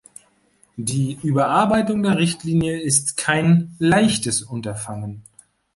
Die Überarbeitung der Richtlinie ist kein leichtes Unterfangen.